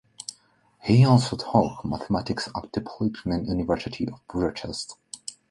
He also taught mathematics at the Polytechnic University of Bucharest.